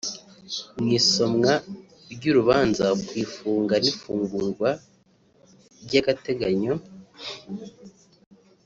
Mu isomwa ry’urubanza ku ifunga n’ifungurwa ry’agateganyo